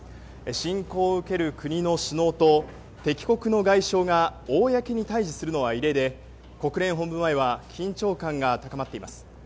侵攻を受ける国の首脳と敵国の外相が公に対峙するのは異例で国連本部前は緊張感が高まっています。